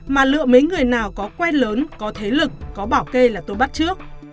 mà lựa mấy người nào có quen lớn có thế lực có bảo kê là tôi bắt trước